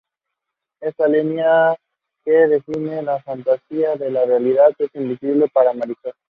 Esa línea que define la fantasía de la realidad es invisible para Marisol.